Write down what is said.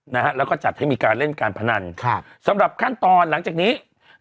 นะฮะแล้วก็จัดให้มีการเล่นการพนันครับสำหรับขั้นตอนหลังจากนี้